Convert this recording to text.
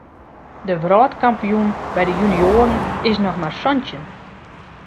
De wrâldkampioen by de junioaren is noch mar santjin.